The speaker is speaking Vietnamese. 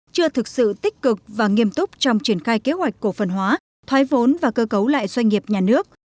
chưa thực sự tích cực và nghiêm túc trong triển khai kế hoạch cổ phần hóa thoái vốn và cơ cấu lại doanh nghiệp nhà nước